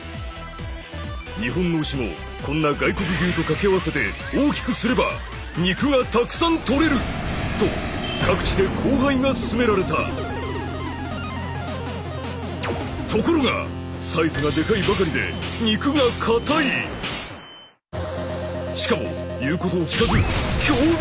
日本の牛もこんな外国牛と掛け合わせて大きくすれば肉がたくさんとれる！と各地で交配が進められたところがサイズがでかいばかりでしかも言うことを聞かず凶暴！